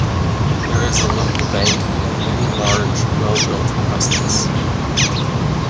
There is a local bank, and many large, well-built houses.